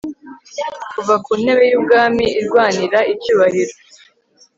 kuva ku ntebe y'ubwami irwanira icyubahiro